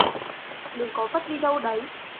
đừng có vất đi đâu đấy